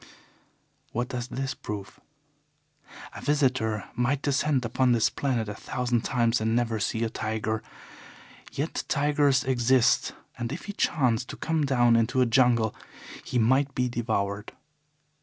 What does this prove? A visitor might descend upon this planet a thousand times and never see a tiger. Yet tigers exist, and if he chanced to come down into a jungle he might be devoured.